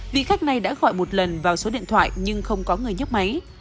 vị khách này đã gọi một lần vào số điện thoại nhưng không có người nhắc máy